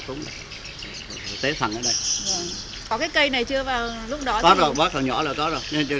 có rồi bắt hồi nhỏ là có rồi